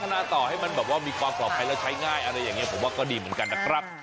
นาต่อให้มันแบบว่ามีความปลอดภัยแล้วใช้ง่ายอะไรอย่างนี้ผมว่าก็ดีเหมือนกันนะครับ